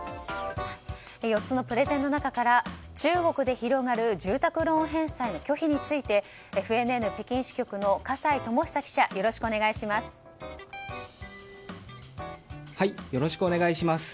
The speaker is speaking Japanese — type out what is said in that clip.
４つのプレゼンの中から中国で広がる在宅ローン返済の拒否についてＦＮＮ北京支局の葛西友久記者よろしくお願いします。